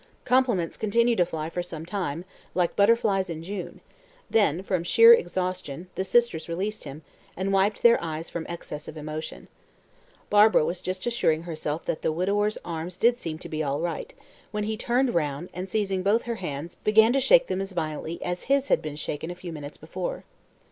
Compliments continued to fly for some time, like butterflies in June; then, from sheer exhaustion, the sisters released him, and wiped their eyes from excess of emotion. Barbara was just assuring herself that the widower's arms did seem to be all right, when he turned round, and, seizing both her hands, began to shake them as violently as his had been shaken a few minutes before.